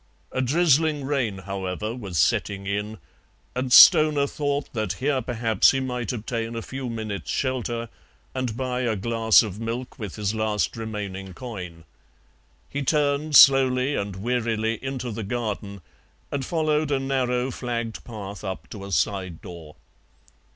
A drizzling rain, however, was setting in, and Stoner thought that here perhaps he might obtain a few minutes' shelter and buy a glass of milk with his last remaining coin. He turned slowly and wearily into the garden and followed a narrow, flagged path up to a side door.